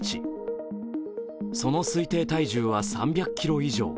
その推定体重は３００ｋｇ以上。